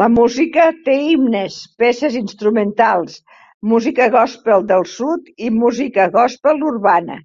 La música té himnes, peces instrumentals, música gospel del sud i música gospel urbana.